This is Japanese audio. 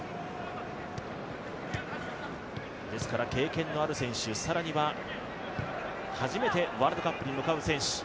経験のある選手、更には初めてワールドカップに向かう選手。